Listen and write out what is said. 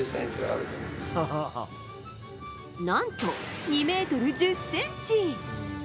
何と２ｍ１０ｃｍ！